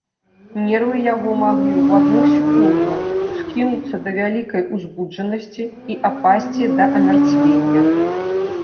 Нервы яго маглі ў адну секунду ўскінуцца да вялікай узбуджанасці і апасці да амярцвення.